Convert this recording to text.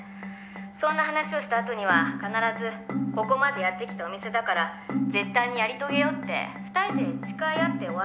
「そんな話をした後には必ずここまでやってきたお店だから絶対にやり遂げようって２人で誓い合って終わるんです。